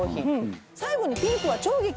最後にピンクは超激安。